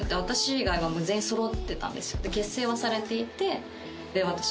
結成はされていて。